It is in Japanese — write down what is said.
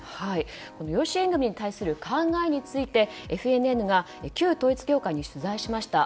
養子縁組に対する考えについてＦＮＮが旧統一教会に取材しました。